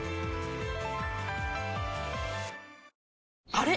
あれ？